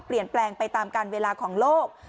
เปลี่ยนแปลงไปตามการเวลาของโลก